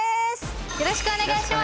よろしくお願いします。